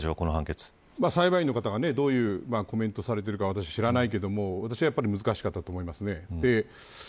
裁判員の方がどういうコメントをされているか私は知らないですけれど私は難しかったと思います。